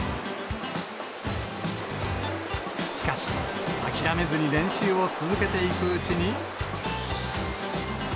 しかし、諦めずに練習を続けていくうちに。